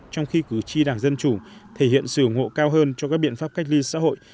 trong khi cử tri đảng dân chủ thể hiện sự ủng hộ cao hơn cho các biện pháp cách ly xã hội